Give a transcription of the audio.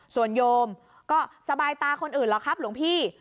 ส่วนโยมก็สบายตาคนอื่นหรอกครับหลวงพี่